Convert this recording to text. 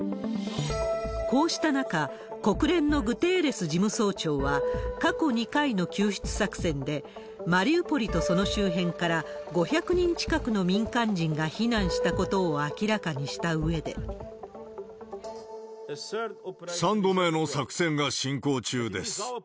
こうした中、国連のグテーレス事務総長は、過去２回の救出作戦で、マリウポリとその周辺から５００人近くの民間人が避難したことを３度目の作戦が進行中です。